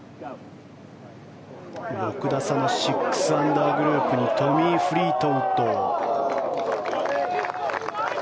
６打差の６アンダーグループにトミー・フリートウッド。